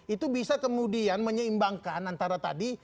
itu bisa kemudian menyeimbangkan antara tadi